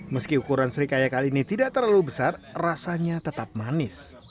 meski ukuran serikaya kali ini tidak terlalu besar rasanya tetap manis